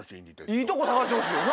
いいとこ探してほしいよな